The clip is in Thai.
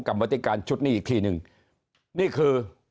กรรมธิการชุดนี้อีกทีหนึ่งนี่คือ